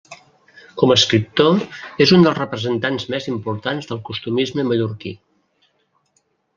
Com a escriptor, és un dels representants més importants del costumisme mallorquí.